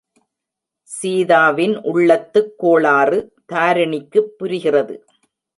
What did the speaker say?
சீதாவின் உள்ளத்துக் கோளாறு தாரிணிக்குப் புரிகிறது.